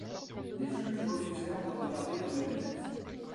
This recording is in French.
Les juges refusèrent de regarder dans la lunette.